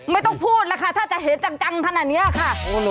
ไม่ต้องพูดแล้วค่ะถ้าจะเห็นจังขนาดนี้ค่ะ